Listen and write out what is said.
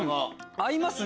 合いますね。